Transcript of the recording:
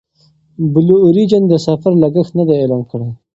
بلو اوریجن د سفر لګښت نه دی اعلان کړی.